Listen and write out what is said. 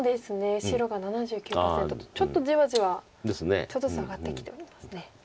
白が７９％とちょっとじわじわ下がってきてますね。